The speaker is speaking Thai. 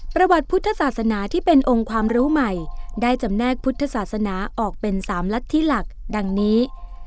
ประวัติพุทธศาสนาที่เป็นองค์ความรู้ใหม่ได้จำแนกพุทธศาสนาออกเป็น๓รัฐธิหลักดังนี้